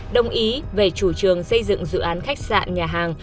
đồng ý về chủ trường xây dựng dự án khách sạn nhà hàng